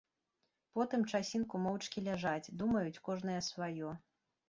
Потым часінку моўчкі ляжаць, думаюць кожная сваё.